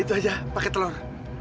itu aja pakai telur